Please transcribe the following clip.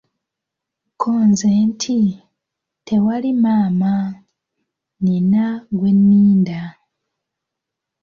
Ko nze nti, "tewali maama, nnina gwe nninda".